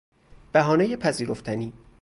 بهانهی پذیرفتنی